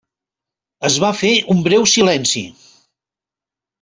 Es va fer un breu silenci.